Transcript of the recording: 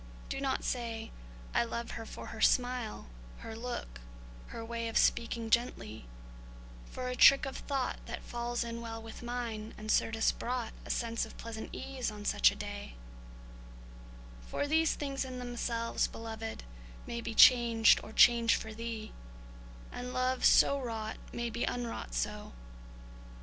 Do not say "I love her for her smile—her look—her way Of speaking gently,—for a trick of thought That falls in well with mine, and certes brought A sense of pleasant ease on such a day"— For these things in themselves, Belovëd, may Be changed, or change for thee,—and love, so wrought, May be unwrought so.